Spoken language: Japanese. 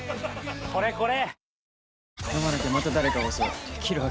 これこれ！